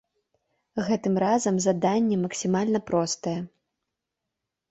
Гэтым разам заданне максімальна простае.